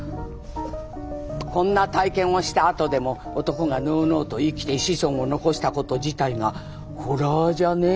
こんな体験をしたあとでも男がのうのうと生きて子孫を残したこと自体がホラーじゃね？